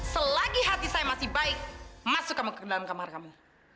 selagi hati saya masih baik masuk ke dalam kamar kami